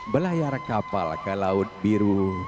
belayar kapal ke laut biru